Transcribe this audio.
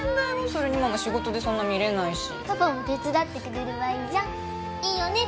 それにママ仕事でそんな見れないしパパも手伝ってくれればいいじゃんいいよね？